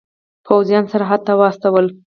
پوځیان سرحد ته واستول.